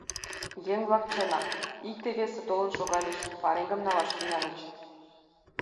Еҥ-влак, чынак, икте, весе толын шогальыч, пареҥгым налаш тӱҥальыч.